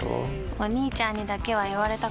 お兄ちゃんにだけは言われたくないし。